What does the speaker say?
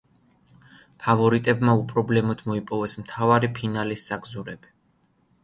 ფავორიტებმა უპრობლემოდ მოიპოვეს მთავარი ფინალის საგზურები.